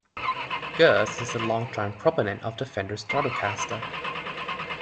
Gers is a long-time proponent of the Fender Stratocaster.